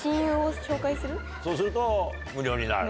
そうすると無料になる。